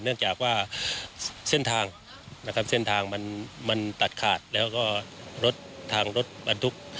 เนื่องจากว่าเส้นทางมันตัดขาดแล้วก็ทางรถบรรทุก